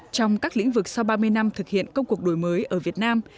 trong các lĩnh vực sau ba mươi năm thực hiện công cuộc đổi mới ở việt nam